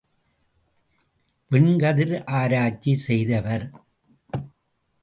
விண்கதிர் ஆராய்ச்சி செய்தவர்.